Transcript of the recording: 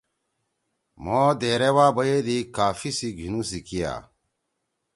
مھو دیرے وا بیَدی کافی سی گھیِنُو سی کیا۔